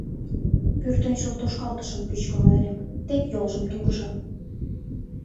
— Пӧртӧнчыл тошкалтышым пӱчкын ойырем, тек йолжым тугыжо».